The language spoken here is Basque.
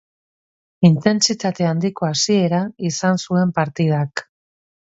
Intentsitate handiko hasiera izan zuen partidak.